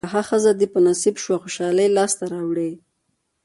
که ښه ښځه دې په نصیب شوه خوشالۍ لاسته راوړې.